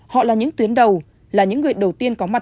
họ là những tuyến đầu là những người đầu tiên có mặt